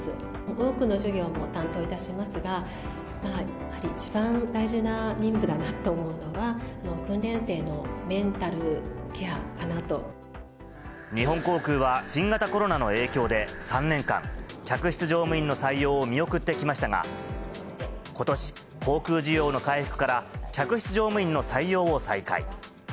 多くの授業も担当いたしますが、やはり一番大事な任務だなと思うのは、訓練生のメンタルケアかな日本航空は、新型コロナの影響で、３年間、客室乗務員の採用を見送ってきましたが、ことし、航空需要の回復から、客室乗務員の採用を再開。